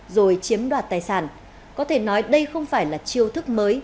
rồi chiếm đoạt tài sản có thể nói đây không phải là chiêu thức mới